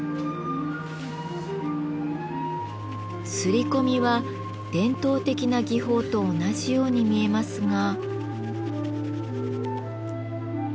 摺り込みは伝統的な技法と同じように見えますが。